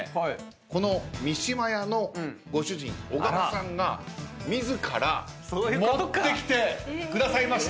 この「みしまや」のご主人小川さんが自ら持ってきてくださいました。